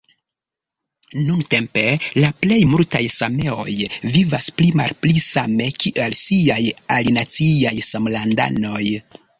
Nuntempe la plej multaj sameoj vivas pli-malpli same kiel siaj alinaciaj samlandanoj.